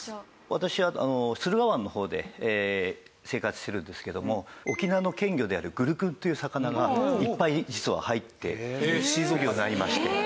私駿河湾の方で生活してるんですけども沖縄の県魚であるグルクンという魚がいっぱい実は入ってシーズン魚になりまして。